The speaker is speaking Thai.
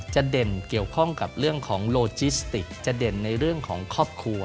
เด่นเกี่ยวข้องกับเรื่องของโลจิสติกจะเด่นในเรื่องของครอบครัว